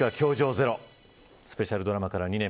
０‐スペシャルドラマから２年。